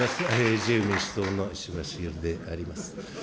自由民主党の石破茂であります。